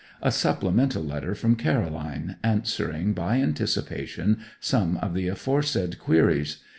A supplemental letter from Caroline, answering, by anticipation, some of the aforesaid queries.